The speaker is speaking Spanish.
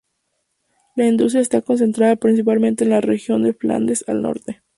La industria está concentrada principalmente en la región de Flandes, al norte.